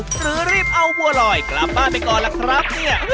หรือรีบเอาบัวรอยกลับบ้านไปก่อนแหละครับ